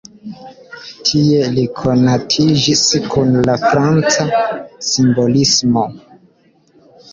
Tie li konatiĝis kun la franca simbolismo.